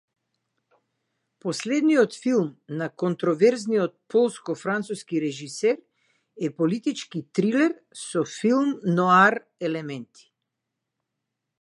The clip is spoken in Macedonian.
Последниот филм на контроверзниот полско-француски режисер е политички трилер со филм ноар елементи.